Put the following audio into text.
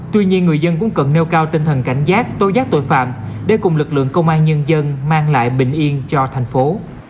tuy nhiên người dân cũng cần nêu cao tinh thần cảnh giác tố giác tội phạm để cùng lực lượng công an nhân dân mang lại bình yên cho thành phố